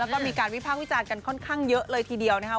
แล้วก็มีการวิภาควิจารณ์กันค่อนข้างเยอะเลยทีเดียวนะครับ